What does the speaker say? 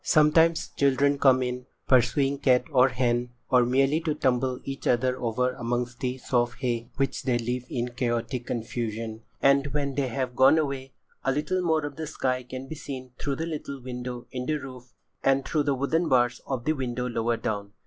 Sometimes children come in, pursuing cat or hen, or merely to tumble each other over amongst the soft hay which they leave in chaotic confusion, and when they have gone away, a little more of the sky can be seen through the little window in the roof, and through the wooden bars of the window lower down.